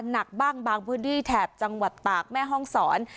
หนักบ้างบางพื้นที่แถบจังหวัดตากแม่ห้องศร